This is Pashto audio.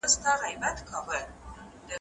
روزي د اوداسه په برکت زیاتیږي.